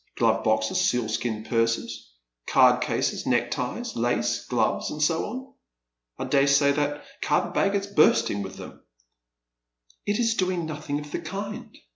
Glove boxes, sealskin purses, card rases, net.k ties, lace, gloves, and so on. I dare say that carpet bag is bursting with them." " It is doing nothing of the kind.